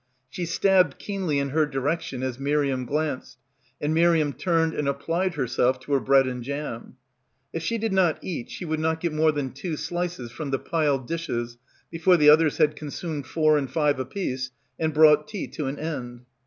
She stabbed keenly in her direction as Miriam glanced, and Miriam turned and applied herself to her bread and jam. If she did not eat she would not get more than two slices from the piled dishes before the others had consumed four and five apiece and brought tea to an end.